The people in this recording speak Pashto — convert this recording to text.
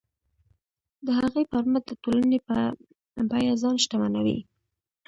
د هغې پر مټ د ټولنې په بیه ځان شتمنوي.